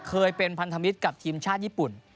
เคยเป็นพันธมิตรกับทีมชาติญี่ปุ่น